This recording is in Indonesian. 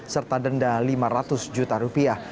serta denda lima ratus juta rupiah